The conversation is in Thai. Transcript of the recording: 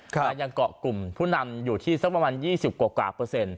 แต่ยังเกาะกลุ่มผู้นำอยู่ที่สักประมาณ๒๐กว่า